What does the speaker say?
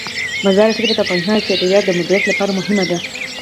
مزارشریف د افغانستان د چاپیریال د مدیریت لپاره مهم دي.